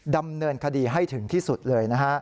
ดำเนินคดีให้ถึงที่สุดเลยนะฮะ